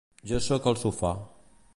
Jo sóc al sofà.